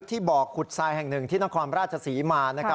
ที่บ่อขุดทรายแห่งหนึ่งที่นครราชศรีมานะครับ